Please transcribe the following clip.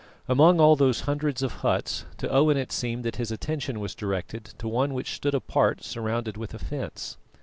Among all those hundreds of huts, to Owen it seemed that his attention was directed to one which stood apart surrounded with a fence.